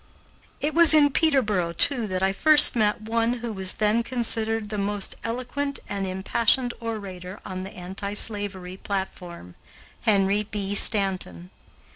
It was in Peterboro, too, that I first met one who was then considered the most eloquent and impassioned orator on the anti slavery platform, Henry B. Stanton.